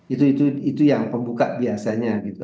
itu itu itu yang pembuka biasanya gitu